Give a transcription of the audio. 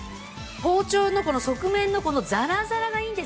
包丁のこの側面のこのザラザラがいいんですよね。